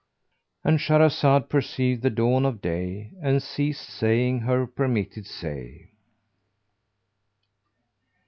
—And Shahrazad perceived the dawn of day and ceased saying her permitted say.